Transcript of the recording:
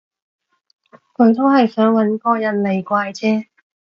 佢都係想搵個人嚟怪啫